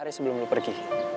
hari sebelum lu pergi